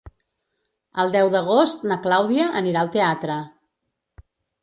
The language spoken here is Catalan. El deu d'agost na Clàudia anirà al teatre.